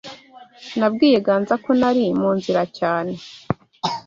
Nabwiye Ganza ko nari munzira cyane.